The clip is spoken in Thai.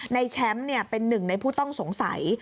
นายแชมป์เนี่ยเป็นหนึ่งในผู้ต้องสงสัย